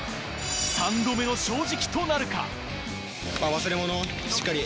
三度目の正直となるか。